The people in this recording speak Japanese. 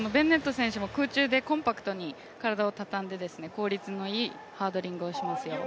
空中でコンパクトに体をたたんで効率のいいハードリングをしますよ。